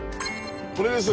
これです。